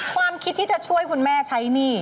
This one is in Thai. ความคิดที่จะช่วยคุณแม่ใช้หนี้